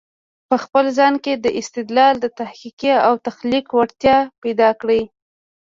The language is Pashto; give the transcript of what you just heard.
په خپل ځان کې د استدلال، تحقیق او تخليق وړتیا پیدا کړی